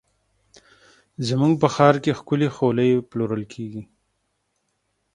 زموږ په ښار کې ښکلې خولۍ پلورل کېږي.